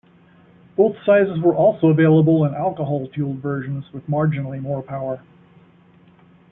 Both sizes were also available in alcohol-fuelled versions with marginally more power.